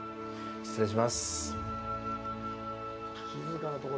失礼します。